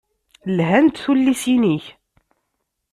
Lhant tullisin-ik.